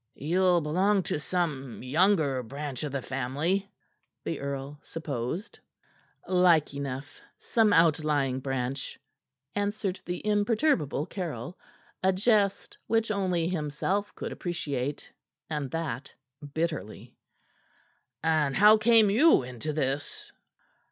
"Ye'll belong to some younger branch of the family," the earl supposed. "Like enough some outlying branch," answered the imperturbable Caryll a jest which only himself could appreciate, and that bitterly. "And how came you into this?"